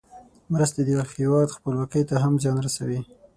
مرستې د یو هېواد خپلواکۍ ته هم زیان رسوي.